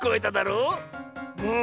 うん。